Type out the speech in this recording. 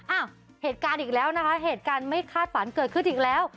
อ้าวเหตุการณ์อีกแล้วนะคะเหตุการณ์ไม่คาดฝันเกิดขึ้นอีกแล้ว